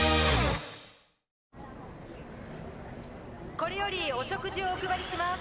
これよりお食事をお配りします。